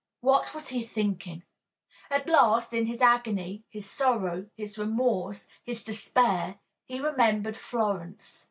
What was he thinking? At last, in his agony, his sorrow, his remorse, his despair, he remembered Florence.